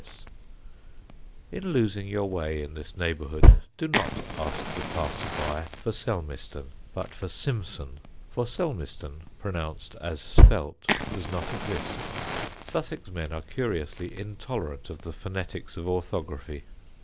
[Sidenote: VAGARIES OF PRONUNCIATION] In losing your way in this neighbourhood do not ask the passer by for Selmeston, but for Simson; for Selmeston, pronounced as spelt, does not exist. Sussex men are curiously intolerant of the phonetics of orthography.